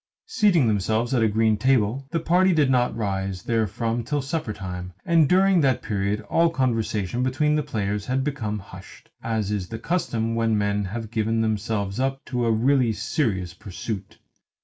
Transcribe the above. Seating themselves at a green table, the party did not rise therefrom till supper time; and during that period all conversation between the players became hushed, as is the custom when men have given themselves up to a really serious pursuit.